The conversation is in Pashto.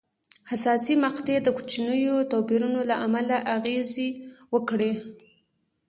حساسې مقطعې د کوچنیو توپیرونو له امله اغېزې وکړې.